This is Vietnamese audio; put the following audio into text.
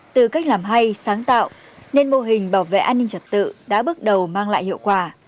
từ cách làm hay sáng tạo nên mô hình bảo vệ an ninh trật tự đã bước đầu mang lại hiệu quả